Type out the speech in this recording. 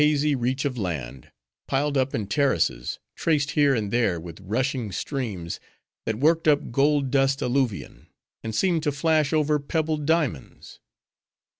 It was a long, hazy reach of land; piled up in terraces, traced here and there with rushing streams, that worked up gold dust alluvian, and seemed to flash over pebbled diamonds.